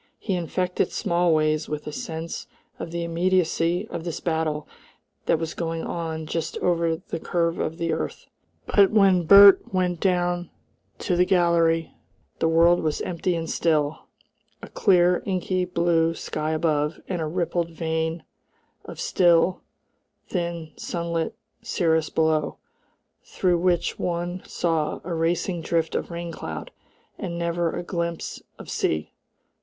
He infected Smallways with a sense of the immediacy of this battle that was going on just over the curve of the earth. But when Bert went down to the gallery the world was empty and still, a clear inky blue sky above and a rippled veil of still, thin sunlit cirrus below, through which one saw a racing drift of rain cloud, and never a glimpse of sea.